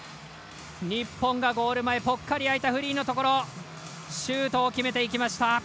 日本がゴール前ぽっかり空いたフリーのところシュートを決めていきました。